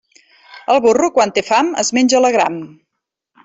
El burro, quan té fam, es menja l'agram.